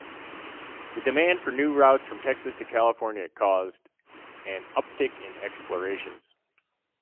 The demand for new routes from Texas to California caused an uptick in explorations.